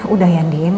udah ya din